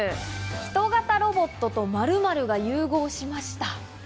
人型ロボットと○○が融合しました。